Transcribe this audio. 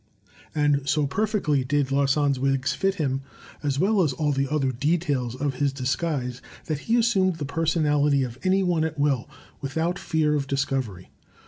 *' And so perfectly did Larsan's wigs fit him, as well as all the other details of his disguise, that he assumed the personality of any one at will, without fear of discovery.